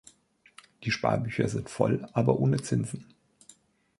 Die Sparbücher sind voll aber ohne Zinsen.